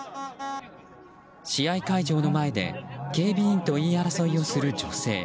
試合会場の前で警備員と言い争いをする女性。